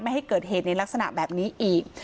ให้เกิดเหตุในลักษณะแบบนี้อีก